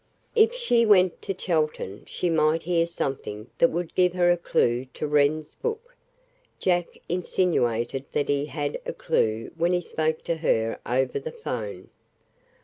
If she went to Chelton she might hear something that would give her a clue to Wren's book. Jack insinuated that he had a clue when he spoke to her over the 'phone.